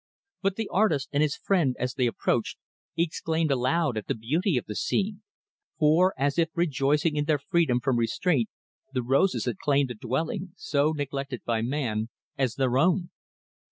But the artist and his friend, as they approached, exclaimed aloud at the beauty of the scene; for, as if rejoicing in their freedom from restraint, the roses had claimed the dwelling, so neglected by man, as their own.